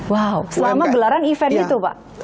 wow selama gelaran event itu pak